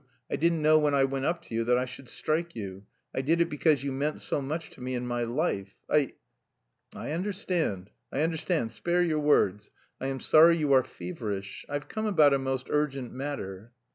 I didn't know when I went up to you that I should strike you... I did it because you meant so much to me in my life... I..." "I understand, I understand, spare your words. I am sorry you are feverish. I've come about a most urgent matter."